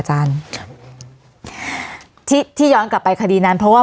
วันนี้แม่ช่วยเงินมากกว่า